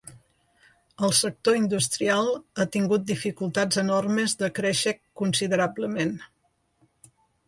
El sector industrial ha tingut dificultats enormes de créixer considerablement.